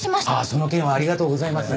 その件はありがとうございます。